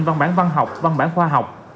văn bản văn học văn bản khoa học